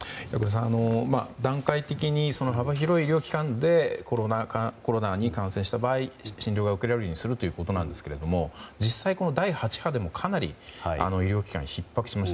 段階的に幅広い医療機関でコロナに感染した場合診療が受けられるようにするということですが実際、第８波でもかなり医療機関はひっ迫しました。